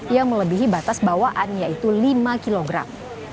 yang melebihi batas bawaan yaitu lima kilogram